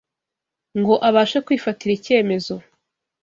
ngo abashe kwifatira icyemezo